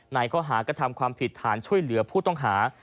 ในข้อหากระทำความผิดฐานช่วยเหลือผู้ต้องหา